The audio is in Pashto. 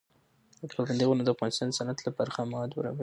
پابندي غرونه د افغانستان د صنعت لپاره خام مواد برابروي.